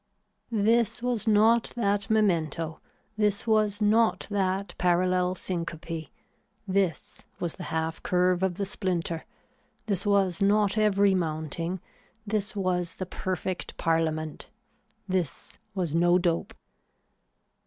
This was not that memento, this was not that parallel syncope, this was the half curve of the splinter, this was not every mounting, this was the perfect parliament, this was no dope.